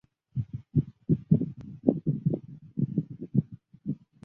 三者的等级排序不同。